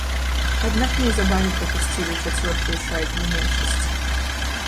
Аднак неўзабаве прапусцілі чацвёртую шайбу ў меншасці.